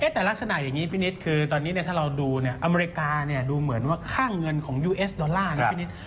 แต่ลักษณะอย่างนี้พี่นิดคือตอนนี้ถ้าเราดูอเมริกาดูเหมือนว่าค่าเงินของยูเอสดอลลาร์นะพี่นิด